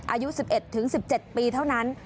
อายุ๑๑๑๑๗ปีเท่านั้น